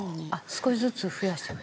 少しずつ増やしていく。